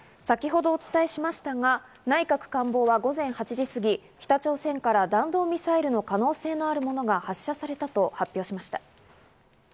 先程お伝えしましたが、内閣官房は午前８時すぎ、北朝鮮から弾道ミサイルの可能性のあるものが発射されたと発表しました。